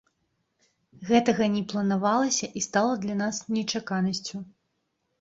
Гэтага не планавалася і стала для нас нечаканасцю.